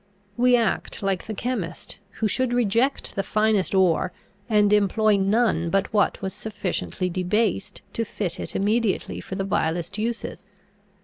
We act like the chemist, who should reject the finest ore, and employ none but what was sufficiently debased to fit it immediately for the vilest uses.